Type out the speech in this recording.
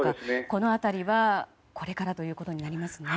この辺りは、これからということになりますね。